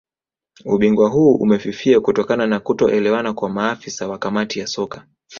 Ubingwa huu umefifia kutokana na kutoelewana kwa maafisa wa Kamati ya Soka